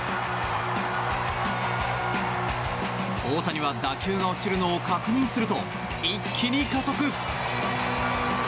大谷は、打球が落ちるのを確認すると一気に加速！